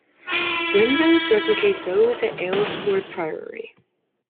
Windows replicate those at Aylesford Priory.